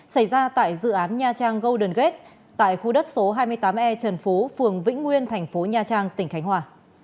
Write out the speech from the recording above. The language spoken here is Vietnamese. xảy ra tại dự án nha trang golden gate tại khu đất số hai mươi tám e trần phú phường vĩnh nguyên thành phố nha trang tỉnh khánh hòa